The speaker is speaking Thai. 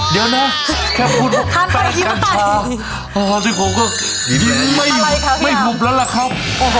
เดี๋ยวนะแค่พูดถึงแป้งกันชาสุดยื่นผมก็ยิ่งไม่หุบแล้วล่ะครับ